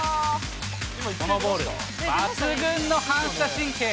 抜群の反射神経。